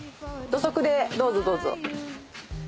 土足でどうぞどうぞ。